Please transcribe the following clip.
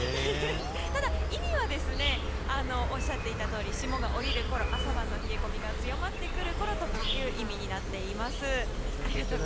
ただ、意味はおっしゃっていたとおり霜が降りるころ朝晩の冷え込みが強まってくるころという意味になっています。